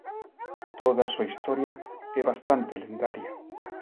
Toda a súa historia é bastante lendaria.